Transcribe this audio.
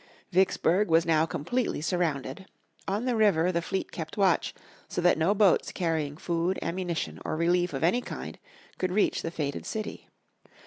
Vicksburg was now completely surrounded. On the river the fleet kept watch, so that no boats carrying food, ammunition, or relief of any kind could reach the fated city.